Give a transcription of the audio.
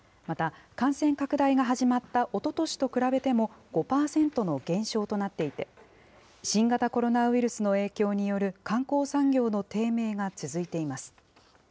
また、感染拡大が始まったおととしと比べても、５％の減少となっていて、新型コロナウイルスの影響による観光産業の低迷が続いています。